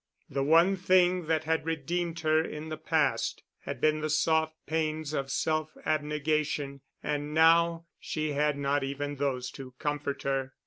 The one thing that had redeemed her in the past had been the soft pains of self abnegation, and now she had not even those to comfort her.